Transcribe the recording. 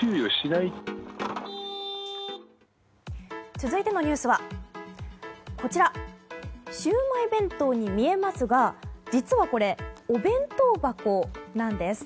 続いてのニュースはシウマイ弁当に見えますが実はこれ、お弁当箱なんです。